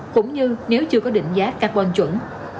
cũng như nếu chưa có định giá carbon chuẩn